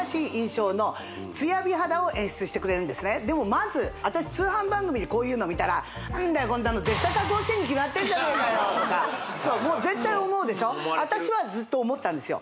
まず私通販番組でこういうの見たら何だよこんなの絶対加工してるに決まってんじゃねえかよとかそうもう絶対思うでしょそう思われてる私はずっと思ってたんですよ